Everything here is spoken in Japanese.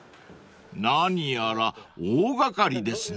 ［何やら大掛かりですね］